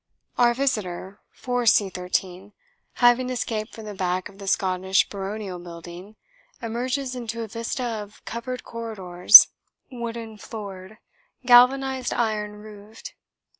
Our visitor for C 13, having escaped from the back of the Scottish baronial building, emerges into a vista of covered corridors, wooden floored, galvanised iron roofed.